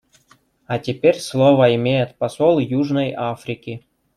А теперь слово имеет посол Южной Африки.